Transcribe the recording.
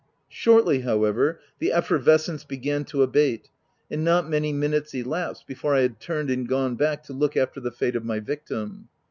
Shortly, however, the effervescence began to abate, and not many minutes elapsed before I had turned and gone back to look after the fate of my victim.